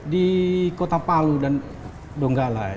di kota palu dan donggala